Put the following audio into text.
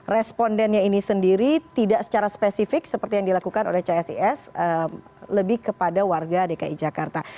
respondennya ini sendiri tidak secara spesifik seperti yang dilakukan oleh csis lebih kepada warga dki jakarta